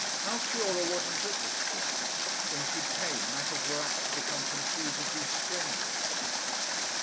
Altiora wasn't at this dinner. When she came matters were apt to become confusedly strenuous.